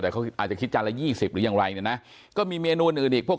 แต่เขาอาจจะคิดจานละ๒๐หรืออย่างไรนะก็มีเมนูอื่นอีกพวก